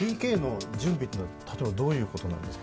ＰＫの準備というのは例えばどういうことなんですか？